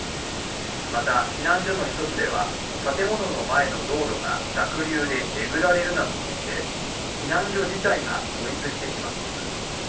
また避難所の１つでは建物の前の道路が濁流でえぐられるなどしていて避難所自体が孤立してしまっています。